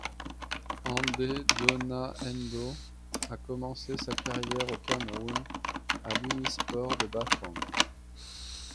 Andé Dona Ndoh a commencé sa carrière au Cameroun à l'Unisport de Bafang.